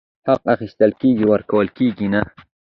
حق اخيستل کيږي، ورکول کيږي نه !!